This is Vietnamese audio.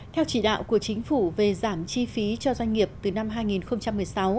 theo chỉ đạo của chính phủ về giảm chi phí cho doanh nghiệp từ năm hai nghìn một mươi sáu